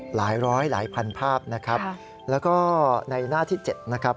หลายร้อยหลายพันภาพนะครับแล้วก็ในหน้าที่๗นะครับ